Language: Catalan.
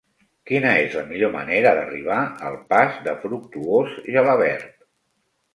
Quina és la millor manera d'arribar al pas de Fructuós Gelabert?